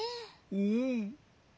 うん。